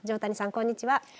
こんにちは。